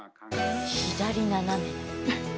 左斜め。